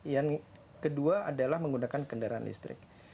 yang kedua adalah menggunakan kendaraan listrik